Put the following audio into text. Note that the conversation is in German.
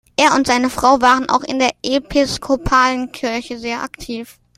Er und seine Frau waren auch in der Episkopalen Kirche sehr aktiv.